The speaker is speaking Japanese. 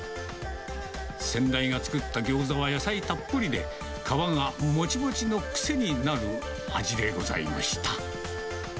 先代が作ったギョーザは野菜たっぷりで、皮がもちもちの癖になる味でございました。